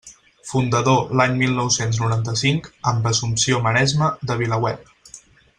Fundador l'any mil nou-cents noranta-cinc, amb Assumpció Maresma, de VilaWeb.